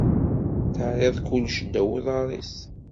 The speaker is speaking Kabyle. Terriḍ kullec ddaw uḍar-is.